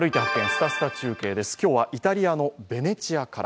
すたすた中継」です、今日はイタリアのベネチアから。